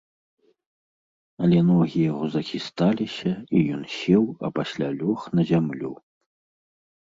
Але ногі яго захісталіся, і ён сеў, а пасля лёг на зямлю.